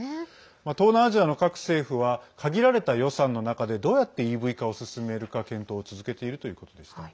東南アジアの各政府は限られた予算の中でどうやってＥＶ化を進めるか検討を続けているということでした。